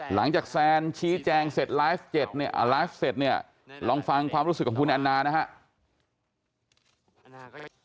หลังจากแซนชี้แจงเสร็จไลฟ์เสร็จลองฟังความรู้สึกของคุณแอนน่านะครับ